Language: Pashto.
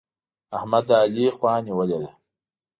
احمد د علي خوا نيولې ده.